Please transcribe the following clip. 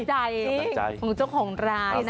ใจของเจ้าของร้านนะ